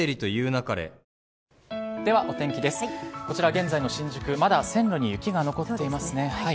こちら、現在の新宿まだ線路に雪が残っています。